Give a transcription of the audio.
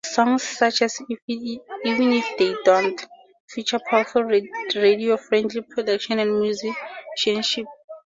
Songs such as "Even If You Don't" feature powerful, radio-friendly production and musicianship.